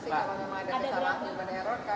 bukan sudah ada itu kecelakaan sebelumnya